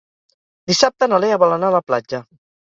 Dissabte na Lea vol anar a la platja.